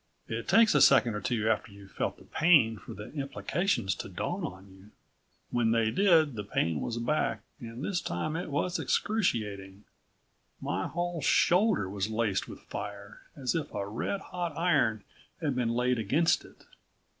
It takes a second or two after you've felt the pain for the implications to dawn on you. When they did the pain was back, and this time it was excruciating. My whole shoulder was laced with fire, as if a red hot iron had been laid against it.